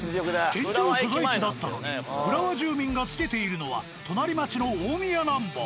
県庁所在地だったのに浦和住民が付けているのは隣町の大宮ナンバー。